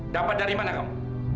dapat dari mana kamu